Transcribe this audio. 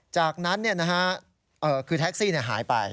จากนั้นเนี่ยนะฮะคือแท็กซี่เนี่ยหายไป